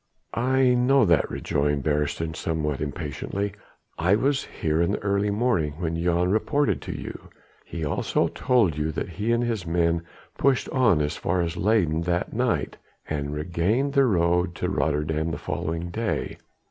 "I know that," rejoined Beresteyn somewhat impatiently. "I was here in the early morning when Jan reported to you. He also told you that he and his men pushed on as far as Leyden that night and regained the road to Rotterdam the following day.